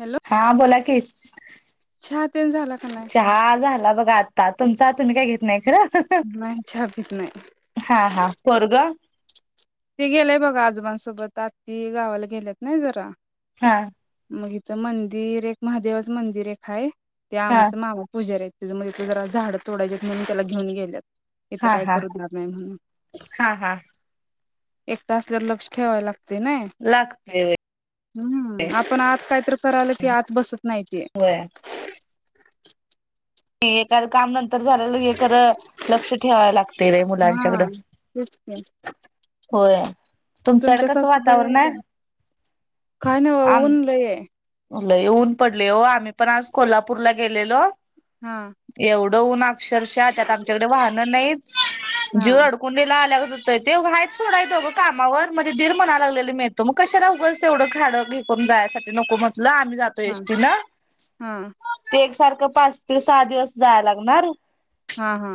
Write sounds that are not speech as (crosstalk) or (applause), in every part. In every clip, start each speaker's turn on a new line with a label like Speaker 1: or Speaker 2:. Speaker 1: Hello
Speaker 2: हा बोला की
Speaker 1: चहा तेन झाला का नाही?
Speaker 2: चहा झाला बघा आत् ता तुमचा तुम्ही काय घेत नाहीय खरं
Speaker 1: नाही चहा पीत नाही.
Speaker 2: हां, हां पोरग
Speaker 1: ते गेलेय बघा आजोबांसोबत आत्ती गावाला गेल्यात नाही जरा
Speaker 2: हं
Speaker 1: इथं मंदिर एक महादेवाचं मंदिर एक हाय ते
Speaker 2: हा
Speaker 1: आमचं मामा पूजारी आहेत त्याच्यामध्ये ते जरा झाडं तोडायचे म्हणून त्याला घेऊन गेल्यात इथं
Speaker 2: हा,
Speaker 1: काय
Speaker 2: हा,
Speaker 1: करू देणार नाही म्हणून
Speaker 2: हा, हा
Speaker 1: एकटं असल्यावर लक्ष ठेवाय लाग तय नाही
Speaker 2: लागतय व्हय
Speaker 1: हम्म आपण आत काहीतरी करायल कि आत बसत नाही ते
Speaker 2: होय एक तर झालेलं हे खर लक्ष ठेवाय लागतंय बाई मुलांच्याकडं
Speaker 1: हा तेच की
Speaker 2: होय. तुमच्याकड
Speaker 1: तुमच्या
Speaker 2: कस
Speaker 1: सासूबाई
Speaker 2: वातावरण हाय?
Speaker 1: आल्या? काय नाही बघा
Speaker 2: आम
Speaker 1: ऊन लई आहे.
Speaker 2: लय ऊन पडलय हो आम्ही पण आज कोल्हापूरला गेलेलो
Speaker 1: हं
Speaker 2: एवढं ऊन अक्षरशः त्यात आमच्याकडं वाहनं नाहीत जीव
Speaker 1: हा
Speaker 2: रडकूंडीला आल्या गत ते व्हायच सोडायंच ग कामावर म्हणजे दीर म्हणा लागलेले मी येतो मग कशाला उगल तेवढं खाडं घेकून जायसाठी नको म्ह म्हनल आम्ही जातो
Speaker 1: हा
Speaker 2: एस टी न
Speaker 1: हा
Speaker 2: ते एकसारख पाच ते सहा दिवस जाया लागणार
Speaker 1: हा हा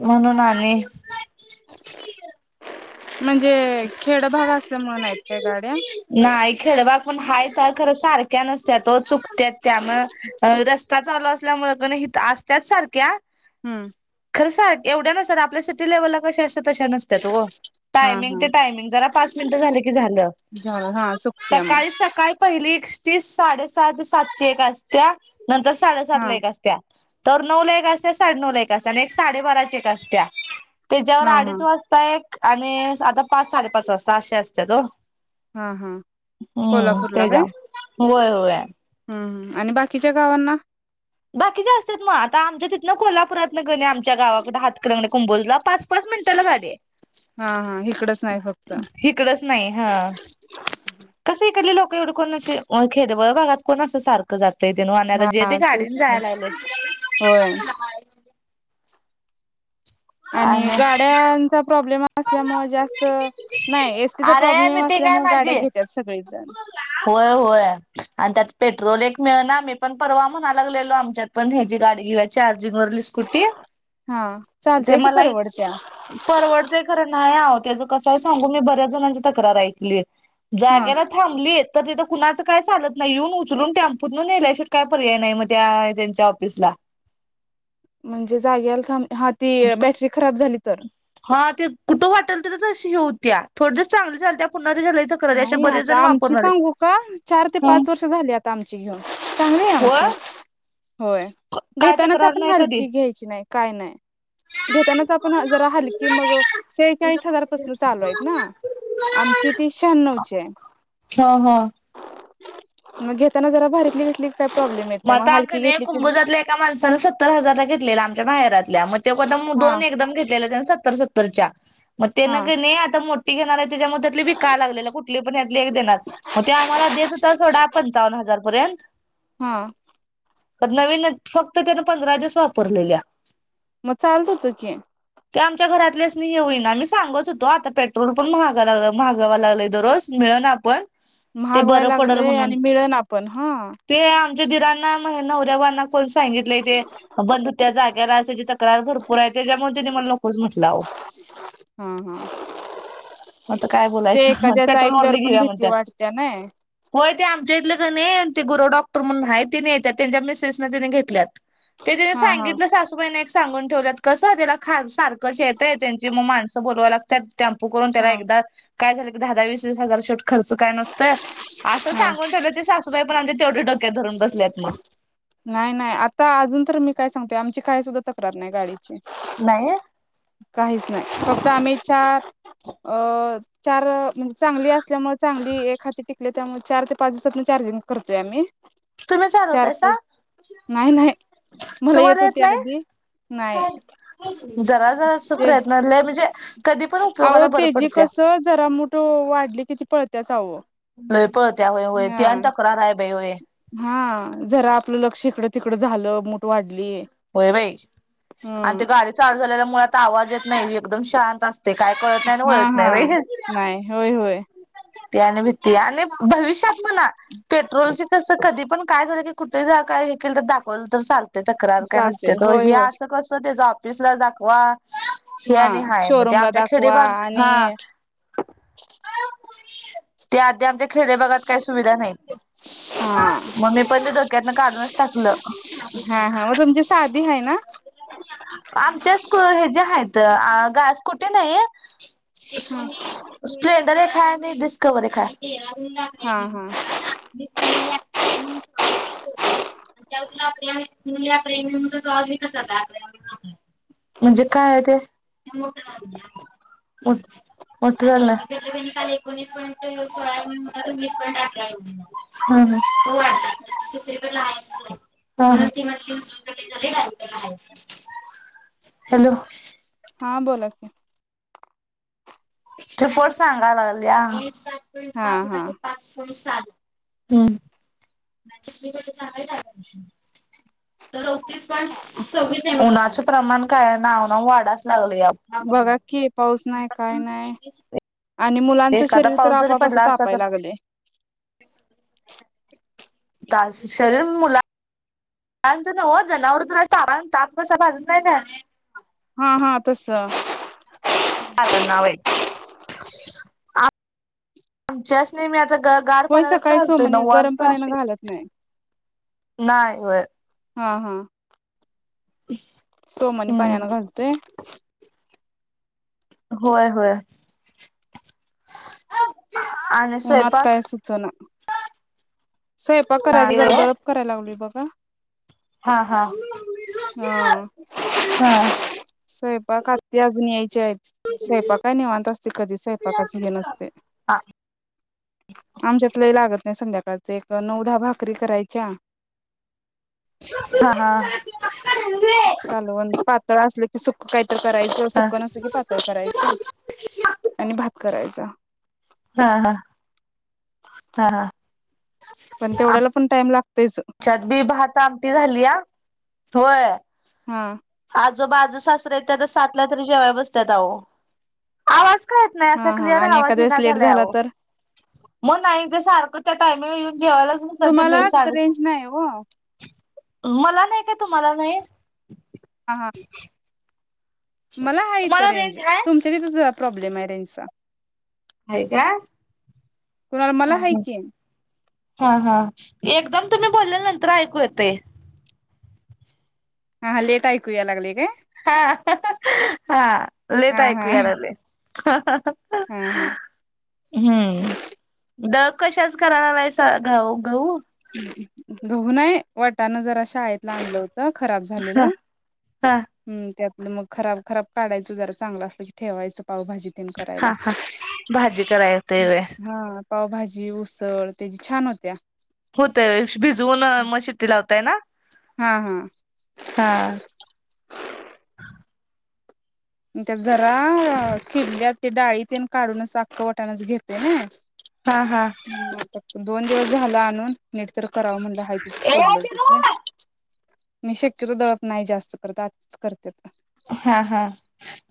Speaker 2: म्हणून आणि (inaudible)
Speaker 1: म्हणजे, खेडभाग असल्यामूळं नाहीत काय गाड्या?
Speaker 2: खेडभ पण हायता खरं सारख त्या नसत्यात ओ चुकत्यात त्या, म अ रस्ता चालू असल्यामुंळ कण हीतं असत्यात सारख्या,
Speaker 1: हम्
Speaker 2: खर सार एवढ्या नसत्यात आपल्या सिटी लेवलला कश्या अश्या तश्या नासत्यात ओ,
Speaker 1: हा
Speaker 2: टायमिंग
Speaker 1: हा
Speaker 2: ते ट टायमिंग जरा पाच मिनिटं झाल की झाल.
Speaker 1: झालं हा चुकत्या मग
Speaker 2: सकाळी- सकाळी टा पहिली एकसटी साडेसहा ते सातची एक असत्या नंतर साडेसात
Speaker 1: हा
Speaker 2: ला एक असत्या. तर नऊ ला एक असत्या, साडेनऊ ला एक असत्या आणि एक साडेबाराची एक असत्या. त्याच्यावर
Speaker 1: हा हा
Speaker 2: अडीच वाजता एक, आणि आता पाच साडेपाच वाजता, अश्या असत्यात ओ.
Speaker 1: हा हा.
Speaker 2: हम्म
Speaker 1: कोल्हापूरला
Speaker 2: तेज्या
Speaker 1: काय?
Speaker 2: होय होय.
Speaker 1: ह आणि बाकीच्या गावांना?
Speaker 2: बाकीच्या असत्यात म आता आमच्या तिथन कोल्हापुरातन, कणी आमच्या गावाकड हातकलंगल्याकडं (unintelligible) कुंबोजला ला पाच- पाच मिनटाला गाडी हाय.
Speaker 1: हा हा इकडच नाही फक्त
Speaker 2: हीकडचं नाही ह. कस इकडली लोकं प एवढ कोण असे ओळखियत भागात कोण असं सारखं जात. ते तेन (unintelligible) जे ते
Speaker 1: हा
Speaker 2: (unintelligible)
Speaker 1: तेच की
Speaker 2: जायाय लागलय.
Speaker 1: होय
Speaker 2: (inaudible)
Speaker 1: आणि गाड्यांचा प्रॉब्लेम आ असल्यामुळ जास्त नाही एसटीचा
Speaker 2: अरे
Speaker 1: प्रॉब्लेम
Speaker 2: मिटिंग आय
Speaker 1: असल्यामुळे गाड्या
Speaker 2: माझी.
Speaker 1: घेत्यात सगळेजण
Speaker 2: होय होय आण त्यात, पेट्रोल एक मिळणा, आम्ही पण परवा म्हणा लागलेलो आमच्यात पण, हेजी गाडी घेवूया चार- (unintelligible) मरली स्कुटी.
Speaker 1: हा
Speaker 2: ते
Speaker 1: चालतय की
Speaker 2: मलाई
Speaker 1: परवडत्या
Speaker 2: परवडतय खरं नाही आवो तेज कसं हाय सांगु मी बऱ्याच, कोनाची तक्रार ऐकली?
Speaker 1: हा
Speaker 2: जाग्याला थांबली तर तिथ, कुणाच काय चालत नाही. येऊन उचलून टॅम्पूत न नेल्याशीवाय काय पर्याय नाही मग त्या त्यांच्या ऑफिसला.
Speaker 1: म्हणजे जागेला थांब हा ती बॅटरी खराब झाली. तर.
Speaker 2: हा ते कुठं वाटेल तरच अशी होऊत्या थोड चांगली झालत्या
Speaker 1: नाही आता आमची सांगू का चार ते
Speaker 2: हा
Speaker 1: पाच वर्ष झाली आता आमची घेऊन चांगय आमची.
Speaker 2: होय
Speaker 1: होय
Speaker 2: काय
Speaker 1: घेतानाच
Speaker 2: तक्रार
Speaker 1: आपण
Speaker 2: नाही कधी.
Speaker 1: हलकी घ्यायची नाही काय नाही घेतानाच आपण जरा हलकी मग शेचाळीस हजार पासून चालू आहेत ना आमची ती शाहनउची हाय.
Speaker 2: हा हा
Speaker 1: मग घेताना जरा भारीतली घतली
Speaker 2: मग आता कनी कुंभजातल्या एका माणसानं सत्तर हजारला घेतलेला आमच्या माहेरातल्या मग ते कदम
Speaker 1: हा
Speaker 2: दोन एकदम घेतलेले त्या सत्तर सत्तर तरच्या. म ते न
Speaker 1: हा
Speaker 2: क नी आता मोठ ठीक घेनार (unintelligible) घेनारहेत. तेच्या मं त्याततीली बी का लागले कुठली (unintelligible) पण देणार मग आम्हाला देत आम्हाला देत होता सोडा पंचावन्न हजार पर्यंत
Speaker 1: ह.
Speaker 2: अद नवीनच फक्त त्यान पंधराज्याच वापरलेलया.
Speaker 1: म चालत होत की
Speaker 2: ते आमच्या घरातल्यासनी हे होईना आही सांगत होतो आता पेट्रोल पण महागा झाला महागाव लय दररोज मिळ ना आपण. ते
Speaker 1: महागवाय
Speaker 2: बरं पडल
Speaker 1: लागलंय आणि मिळना पण हा.
Speaker 2: म्हेजे दिरांना मह नवऱ्या वानात पण सांगितलंय ते (unintelligible) बंधु त्या जाग एये जिथ (unintelligible) तयार भरपूर आहे त्याच्यामुळं त्यानी मला नकोच म्हटलं आहो
Speaker 1: हा हा
Speaker 2: मता काय
Speaker 1: ते
Speaker 2: बोलायचं
Speaker 1: एखाद्याच
Speaker 2: पेट्रोल वर
Speaker 1: ऐकल्यावर
Speaker 2: (unintelligible)
Speaker 1: पण
Speaker 2: घेऊया
Speaker 1: भीती
Speaker 2: म्हणतत
Speaker 1: वाटते ना
Speaker 2: होय ते आमच्या इथलं क नी ते गुरोडॉप तर म्हण आहे तिने त्यात्यांच्या मिसेस ना तिने घेतल्यात ते तिन
Speaker 1: हा हा
Speaker 2: सांगितलं सासूबाई एक सांगून. ठेवल्यात कसं तीला खज सारखं शेतं त्यांची मग माणसं बोलवाय लागत्यात. टॅम्पू करून त्याला
Speaker 1: हा
Speaker 2: एकदाच काय झालं की दहा दहा वीस वीस हजारट (unintelligible) खर्च काय नसतंय असं
Speaker 1: हा
Speaker 2: सांगून ठेलं ते सासूबाई पण आमच्या तेवढे (unintelligible) काय धरून बसल्यात मग
Speaker 1: नाही नाही आता अजून तर मी काय सांगते आमची खाय सुद्ध
Speaker 2: नाही.
Speaker 1: काहीच नाही फक्त आम्ही चा अ चार चांगली असल्यामुळे, चांगली एखादि टी आपल्या त्यामुळे चार ते पाच दिवसातन चार्जिंग करतोय आम्ही.
Speaker 2: तुम्ही
Speaker 1: चार
Speaker 2: चालवतायसा
Speaker 1: पाच नाही नाही मला
Speaker 2: तुम्हाला येत
Speaker 1: होती
Speaker 2: नाही,
Speaker 1: आधी नाही
Speaker 2: जरा जरा-जरा सा
Speaker 1: ते
Speaker 2: प्रयत्न लय म्हणजे कधी पण
Speaker 1: अहो
Speaker 2: उपयोगाला बरं
Speaker 1: तेजी
Speaker 2: पडत्या.
Speaker 1: कसं जरा मुठ वाढली कि ती पळत त्याचा आवो
Speaker 2: लय पळत्या होय-होय त्यान तक्रार हाय बय
Speaker 1: हा जरा आपलं लक्ष इकडं तिकडे झालं मुठ वाढ
Speaker 2: होय बाई आणि ते गाडी चालू झालेल्यामुळे आता आवाज येत नाही ही एकदम शांत अस ते काय कळत नाही आणि
Speaker 1: हा
Speaker 2: वळत
Speaker 1: हा
Speaker 2: नाही बाई.
Speaker 1: नाही होय होय
Speaker 2: त्याने भीती आणि भविष्यात म्हणा पेट्रोलची कसं कधी पण काय झालं की कुठे ही काय हे केल तर दाखवल तर चाल तक्रार काय
Speaker 1: चालते
Speaker 2: नसते तर
Speaker 1: होय
Speaker 2: हे
Speaker 1: होय
Speaker 2: असं कसं त्याचा आपमान पिसला दाखवा. हे
Speaker 1: हा
Speaker 2: आणि हाय मग ते
Speaker 1: शोरूमला
Speaker 2: आमच्या
Speaker 1: दाखवा
Speaker 2: खेडेबाग
Speaker 1: आणि
Speaker 2: हा ते आदी आमच्या खेडे बागात काही सुविधा नाहीत,
Speaker 1: हा
Speaker 2: मग मी पण ते डोक्यातन काढूनच टाकलं.
Speaker 1: हा हा मग तुमची साधी आहे ना
Speaker 2: आमच्या स्कुल हे ज्या त आ घास कुठे नाही.
Speaker 1: हा
Speaker 2: एकोणीस प्लेस दर एक हाय आणि डिस्कवर एक हाय. आ
Speaker 1: हा हा
Speaker 2: आज मीस. (unintelligible) त्यावेळी प्रेमीण. (unintelligible) म्हणजे काय आहे ते, म्हटले ह्यांना हा हा. हॅलो
Speaker 1: हा बोला की
Speaker 2: रिपोर्ट सांगा लागलीया. (unintelligible)
Speaker 1: हा
Speaker 2: पाच हजार
Speaker 1: हा
Speaker 2: ते पाच (unintelligible) सात. हम्म, उन्हाच प्रमाण काय नाव, नव वाढाच लागलाय.
Speaker 1: बघा कि पाऊस नाय काय नाय.
Speaker 2: (unintelligible)
Speaker 1: आणि मुलांचं
Speaker 2: एखादा
Speaker 1: शरीर तर
Speaker 2: पाऊस जरी
Speaker 1: आपोआपच असं
Speaker 2: पडला असता तर
Speaker 1: तापायला लागलय.
Speaker 2: (unintelligible) (unintelligible) शरीर मुलांना. त्यांचं नव्हं जनावरं तर अशी (unintelligible) ताप कसा भाजत नाही काय?
Speaker 1: हा हा तसं
Speaker 2: (unintelligible) आमच्याच नेहमी आता. गार
Speaker 1: होय
Speaker 2: पाण्यान
Speaker 1: सकाळी
Speaker 2: घालतोय
Speaker 1: सोमनी
Speaker 2: नऊ
Speaker 1: गरम
Speaker 2: वाजता
Speaker 1: पाण्यानं
Speaker 2: अशी.
Speaker 1: घालत नाही
Speaker 2: नाही होय
Speaker 1: हां हां सोमनी पाण्यान
Speaker 2: हम्म
Speaker 1: घालतोय. (inaudible)
Speaker 2: होय होय. आणि
Speaker 1: उन्हात
Speaker 2: स्वयंपाक
Speaker 1: काय सुच ना? स्वयंपाक करायचे?
Speaker 2: नाही
Speaker 1: जरा
Speaker 2: होय
Speaker 1: दळप कराय लावलोय बघ. ह.
Speaker 2: हा हा
Speaker 1: हा
Speaker 2: (unintelligible) हा.
Speaker 1: स्वयंपाक आती आजून याय स्वयंपाक काय निवांत असतोय कधी स्वयंपाकाच हे नसतेय.
Speaker 2: हा
Speaker 1: आमच्यात लई लागतं नाही. (inaudible) एक नऊ दहा भाकरी करायच्या.
Speaker 2: (unintelligible) हा
Speaker 1: कालवण पातळ असलं की सुकं काहीतर करायचं. सुक नसलं कि पातळ करायचं. आणि भात करायचं.
Speaker 2: हा हा. हा.
Speaker 1: पण तेवढ्याला पण टाईम लागतो.
Speaker 2: आमच्यात बी भात आमटी झाली या. होय.
Speaker 1: हा..
Speaker 2: ज आजं सासरा ह्यात तरत्या सातला तरी जेवा बसत्यात आवो आवज कळत
Speaker 1: हा
Speaker 2: नाही
Speaker 1: हा
Speaker 2: क्लियर
Speaker 1: आणि
Speaker 2: आवाज
Speaker 1: एखाद वेळेस लेट
Speaker 2: येईनाझालाय
Speaker 1: झाला
Speaker 2: अवो
Speaker 1: तर
Speaker 2: मग नाही सारखं टायमिंग येऊन जेवायला
Speaker 1: तुम्हाला
Speaker 2: (unintelligible) साडे
Speaker 1: रेंज नाही वो
Speaker 2: मला नाही तुम्हाला मी
Speaker 1: (inaudible) हा हा मला हाय इथं
Speaker 2: तुम्हाला
Speaker 1: रेंज.
Speaker 2: हाय
Speaker 1: तुमच्या तिथच प्रॉब्लेम आहे रेंजचा.
Speaker 2: हाय काय
Speaker 1: कुणाला मला
Speaker 2: हा
Speaker 1: हाय
Speaker 2: हा
Speaker 1: कि.
Speaker 2: हा, हा एकदम तुम्ही बोललेल नंतर ऐकू येतेय.
Speaker 1: हा लेट आयकू यायला लागलंय काय?
Speaker 2: हा, हा
Speaker 1: हा
Speaker 2: लेट ऐकू
Speaker 1: हा
Speaker 2: याय लागलंय.
Speaker 1: हा हा
Speaker 2: (inaudible) हम्म. दळप कशाच करायला लागलासा? ग गहू गहू?
Speaker 1: गहु नाही वटाना जरा शाळेतल आणलं होत खराब झालेलं.
Speaker 2: हा
Speaker 1: हम्म त्यात मग खराब खराब काढाचं जरा चांगलं असल की ठेवायचं. पावभाजी तेन करायला.
Speaker 2: हा हा भाजी कराय येतय व्हय
Speaker 1: हा. पावभाजी, उसळ तेजी छान होत्या.
Speaker 2: होतय व्हय भिजवून मग शिट्टी लावते (unintelligible) ना
Speaker 1: हा, हा.
Speaker 2: हा.
Speaker 1: (inaudible) जरा किडल्यात. ते डाळीतेन काढूनच टाकतो वाटाणाच घेते नई.
Speaker 2: हा हा
Speaker 1: (unintelligible) दोन दिवस झालं आणून. निट तर करावं म्हणलं हाय तिथच पडलं ते. मी शक्यतो दळत नाही जास्त करत आत्याच करत्यात.
Speaker 2: हा, हा.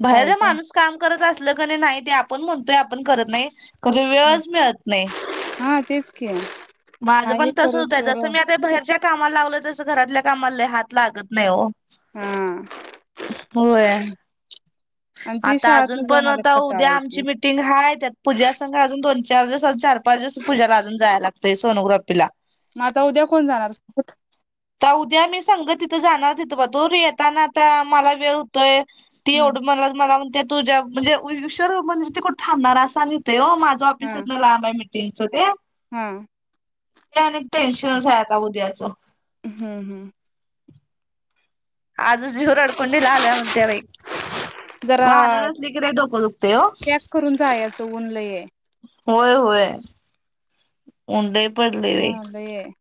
Speaker 2: बाहेरला
Speaker 1: शाळेच्या
Speaker 2: माणूस काम करत असल की नाही ते आपण म्हणतोय आप पण करत नाही खरं
Speaker 1: हा
Speaker 2: वेळच मिळत नाही.
Speaker 1: हा तेच की
Speaker 2: माझ
Speaker 1: हाय हे
Speaker 2: पण तसं होतंय
Speaker 1: करोस्तोवर
Speaker 2: जसं मी आता बाहेरच्या कामाला लावलं तस घरातल्या कामाला लई हात लागत नाय हो.
Speaker 1: हा
Speaker 2: होय.
Speaker 1: आणि ती
Speaker 2: आता अजून
Speaker 1: शाळातन जाऊन
Speaker 2: पण आता
Speaker 1: आल्यावर कंटाळा
Speaker 2: उद्या आमची
Speaker 1: येतोय
Speaker 2: मिटिंग हाय त्यात पूजा संघ अजून दोन चार दिवस चार पाच दिवसात पूजाला अजून जाया लागतय सोनोग्राफीला.
Speaker 1: म आता उद्या कोण जाणार?
Speaker 2: उद्या मी संग तिथं जाणार तिथं पतूर, येताना आता मला वेळ होतोय. ती एवढ
Speaker 1: हम्म
Speaker 2: म्हणूनच मला म्हणत्यात तुझ्या म्हणजे, उशर म्हणजे ते कोण थांबणार अस आणि माझं ऑफीस हितन लांब आहे. तीनच द्या
Speaker 1: ह
Speaker 2: ते अनेक टेन्शनच आहे आता उद्या (inaudible)
Speaker 1: हम्म हम्म
Speaker 2: आजच जीव रडकुंडीला आला म्हणत्या बाई,
Speaker 1: जरा
Speaker 2: वाहन नसली की लय डोक दुखतंय ओ.
Speaker 1: पॅक करून जायचं ऊन लई आहे.
Speaker 2: होय होय! मुंडे
Speaker 1: हा लई हाय!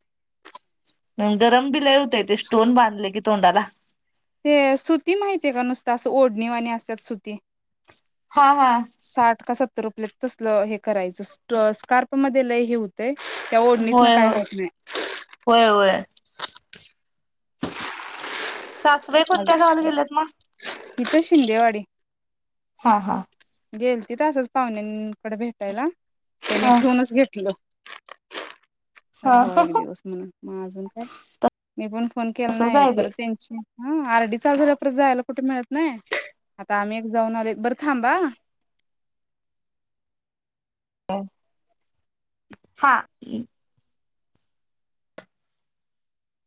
Speaker 2: हम्म गरम बी लई होतय ते, स्टोन बांधल की तोंडाला.
Speaker 1: ते सुती माहिती ये का नुसतं, अस ओढणी वाणी असत सुती.
Speaker 2: हा हा
Speaker 1: साठ का सत्तर रुपये तसलं हे. करायच (inaudible) स्कार्प मध्ये लय हे हुतय?
Speaker 2: होय होय, होय होय. सासुबाई कोणत्या गावाला गेल्यात मग?
Speaker 1: इथ शिंदेवाडी
Speaker 2: हा हा
Speaker 1: गेलती तिथ असंच, पाहुण्यांकडे भेटायला. ते मी
Speaker 2: हा
Speaker 1: ठेवूनच घेतल. राव्हा
Speaker 2: हा
Speaker 1: एक दिवस म्हणून म अजून काय, मी पण फोन केला
Speaker 2: असंच
Speaker 1: नाही
Speaker 2: आहे ते
Speaker 1: परत त्यांची ह आरडी चालू झाल्यावर परत जायला कुठे मिळत, नाही आता आम्ही जाऊन आले बर थांबा.
Speaker 2: आ हां